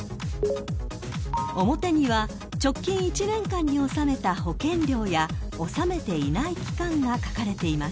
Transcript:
［表には直近１年間に納めた保険料や納めていない期間が書かれています］